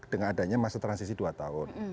dengan adanya masa transisi dua tahun